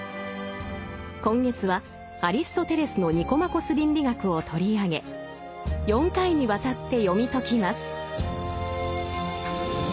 今月はアリストテレスの「ニコマコス倫理学」を取り上げ４回にわたって読み解きます。